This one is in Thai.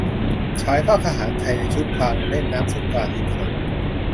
ฉายภาพทหารไทยในชุดพรางเล่นน้ำสงกรานต์ริมถนน